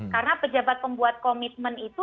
karena pejabat pembuat komitmen itu